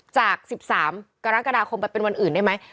จาก๑๓กรกฎาคมไปเป็นวันอื่นได้ไหม